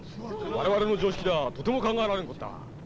我々の常識ではとても考えられんことだ。